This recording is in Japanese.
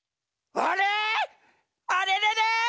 あれれれ？